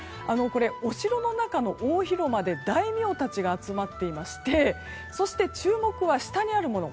お城の中の大広間で大名たちが集まっていましてそして、注目は下にあるもの。